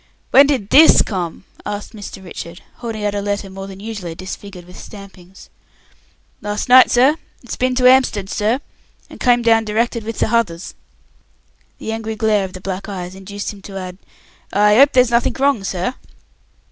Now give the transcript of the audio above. "When did this come?" asked Mr. Richard, holding out a letter more than usually disfigured with stampings. "Lars night, sir. It's bin to 'Amstead, sir, and come down directed with the h'others." The angry glare of the black eyes induced him to add, "I 'ope there's nothink wrong, sir."